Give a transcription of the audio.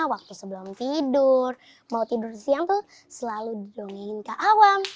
waktu sebelum tidur mau tidur siang tuh selalu didongengin ke awam